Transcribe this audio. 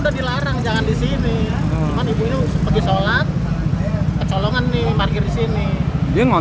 gak tau dia dimana tinggalnya itu gak jelas